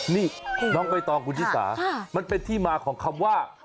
นี่น้องใบตองคุณชิสามันเป็นที่มาของคำว่า